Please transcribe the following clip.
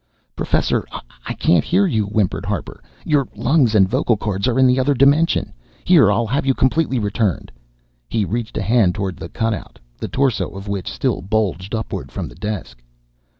"Professor, I can't hear you," whimpered Harper. "Your lungs and vocal cords are in the other dimension. Here, I'll have you completely returned." He reached a hand toward the cutout, the torso of which still bulged upward from the desk.